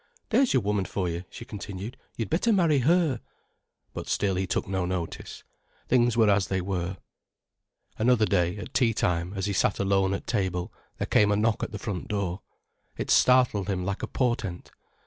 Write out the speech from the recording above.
"There's your woman for you," she continued. "You'd better marry her." But still he took no notice. Things were as they were. Another day, at tea time, as he sat alone at table, there came a knock at the front door. It startled him like a portent.